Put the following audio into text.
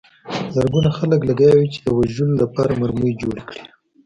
زرګونه خلک لګیا وو چې د وژلو لپاره مرمۍ جوړې کړي